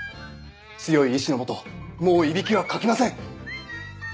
強い意志のもともういびきはかきません。